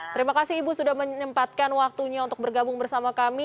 terima kasih ibu sudah menyempatkan waktunya untuk bergabung bersama kami